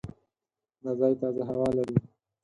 دا ځای تازه هوا لري.